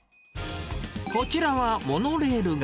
こちらはモノレール型。